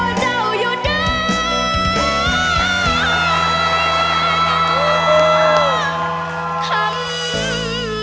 รอเจ้าอยู่ด้วยทำแผง